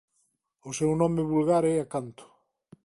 O seu nome vulgar é acanto.